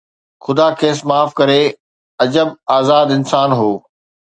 خدا کيس معاف ڪري، عجب آزاد انسان هو